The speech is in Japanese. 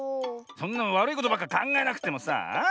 そんなわるいことばっかかんがえなくてもさあ。